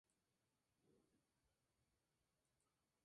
Destaca por sus pinturas anticlericales.